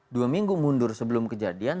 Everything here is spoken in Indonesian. dua minggu mundur sebelum kejadian